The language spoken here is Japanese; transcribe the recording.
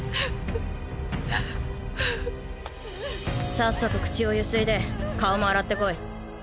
⁉さっさと口をゆすいで顔も洗ってこい。